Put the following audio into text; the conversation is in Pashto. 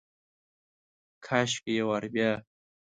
کاشکي یو وارې بیا،